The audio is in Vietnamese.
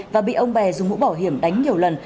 và bị ông bè dùng mũ bảo hiểm đánh nhiều lần